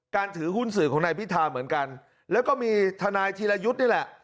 ถือหุ้นสื่อของนายพิธาเหมือนกันแล้วก็มีทนายธีรยุทธ์นี่แหละ